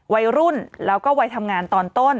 วัยรุ่นแล้วก็วัยทำงานตอนต้น